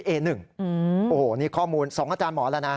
โอ้โหนี่ข้อมูล๒อาจารย์หมอแล้วนะ